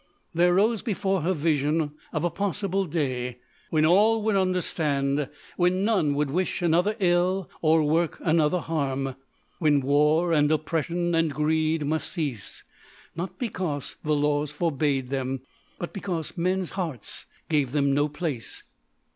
There rose before her vision of a possible day when all would understand; when none would wish another ill or work another harm; when war and oppression and greed must cease, not because the laws forbade them, but because men's hearts gave them no place.